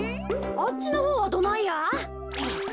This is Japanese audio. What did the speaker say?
あっちのほうはどないや？